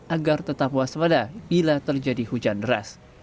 agar tetap waspada bila terjadi hujan deras